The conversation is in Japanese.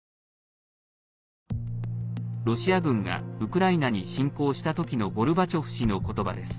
ロシア軍がウクライナに侵攻した時のゴルバチョフ氏の言葉です。